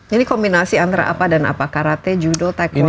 ini kombinasi antara apa dan apa karate judo technolog